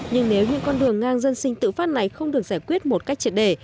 nhưng nếu những con đường ngang dân sinh tự phát này không được giải quyết một cách triệt đề